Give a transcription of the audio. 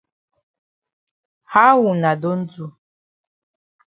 How wuna don do?